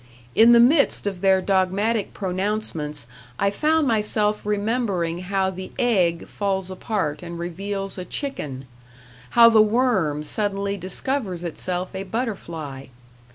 In the midst of their dogmatic pronouncements I found myself remembering how the egg falls apart and reveals a chicken, how the worm suddenly discovers itself a butterfly.